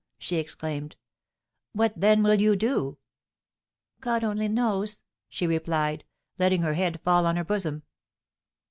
she exclaimed. 'What, then, will you do?' 'God only knows!' she replied, letting her head fall on her bosom."